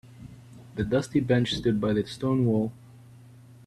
The dusty bench stood by the stone wall.